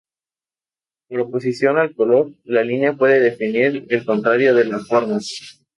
Por oposición al color, la línea puede definir el contorno de las formas.